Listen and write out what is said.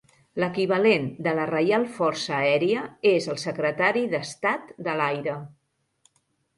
L'equivalent de la Reial Força Aèria és el Secretari d'Estat de l'aire.